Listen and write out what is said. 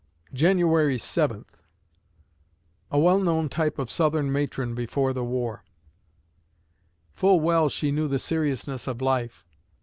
January Seventh A WELL KNOWN TYPE OF SOUTHERN MATRON BEFORE THE WAR Full well she knew the seriousness of life.